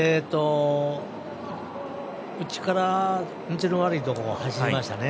内から道の悪いところを走りましたね。